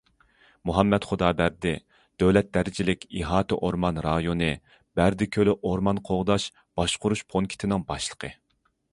مۇھەممەت خۇدابەردى دۆلەت دەرىجىلىك ئىھاتە ئورمان رايونى بەردى كۆلى ئورمان قوغداش، باشقۇرۇش پونكىتىنىڭ باشلىقى.